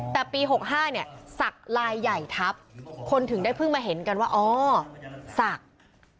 แต่ปี๖๕เนี่ยศักดิ์ลายใหญ่ทับคนถึงได้เพิ่งมาเห็นกันว่าอ๋อศักดิ์